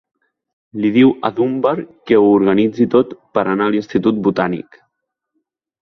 Li diu a Dunbar que ho organitzi tot per anar a l'Institut Botànic.